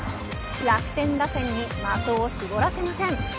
楽天打線に的を絞らせません。